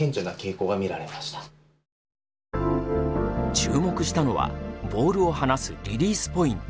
注目したのはボールを放すリリースポイント。